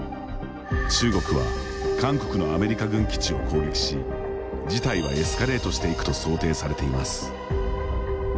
中国は韓国のアメリカ軍基地を攻撃し事態はエスカレートしていくと想定されています。